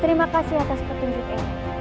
terima kasih atas petunjukku